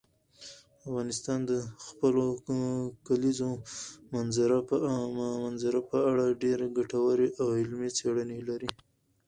افغانستان د خپلو کلیزو منظره په اړه ډېرې ګټورې او علمي څېړنې لري.